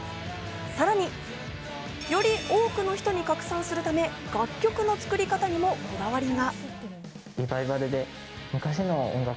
さらに、より多くの人に拡散するため楽曲の作り方にもこだわりが。